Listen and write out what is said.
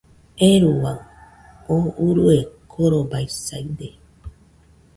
¡Euruaɨ! oo urue korobaisaide